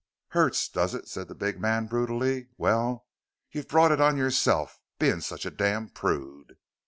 "Hurts, does it?" said the big man, brutally. "Well, you've brought it on yourself, being such a damn prude!"